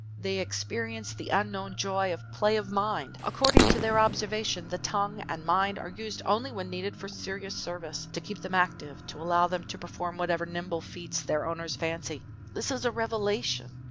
They experience the unknown joy of play of mind. According to their observation the tongue and mind are used only when needed for serious service: to keep them active, to allow them to perform whatever nimble feats their owners fancy this is a revelation!